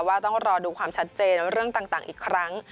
ต้องรอดูความชัดเจนเรื่องต่างอีกครั้ง